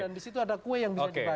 dan di situ ada kue yang bisa dibagi